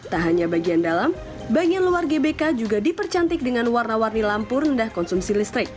tak hanya bagian dalam bagian luar gbk juga dipercantik dengan warna warni lampu rendah konsumsi listrik